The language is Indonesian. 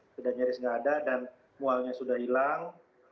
sudah nyaris tidak ada dan mualnya sudah hilang